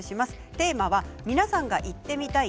テーマは皆さんが行ってみたい